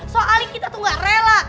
soalnya kita tuh gak rela